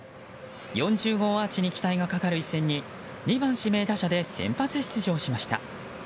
４０号アーチに期待がかかる一戦に２番指名打者で先発出場しました。